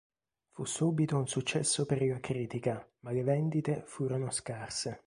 Fu subito un successo per la critica ma le vendite furono scarse.